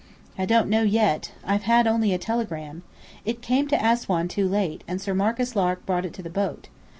"I don't know yet. I've had only a telegram. It came to Assuan too late, and Sir Marcus Lark brought it to the boat.